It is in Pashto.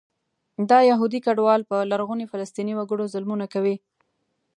دا یهودي کډوال په لرغوني فلسطیني وګړو ظلمونه کوي.